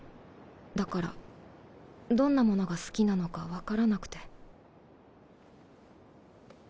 だからどんなものが好きなのか分からなくて。